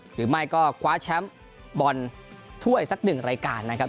หรือไม่ก็คว้าแชมป์บอลถ้วยสักหนึ่งรายการนะครับ